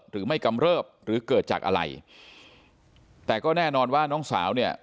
หรือไม่กำเริบหรือเกิดจากอะไรแต่ก็แน่นอนว่าน้องสาวเนี่ย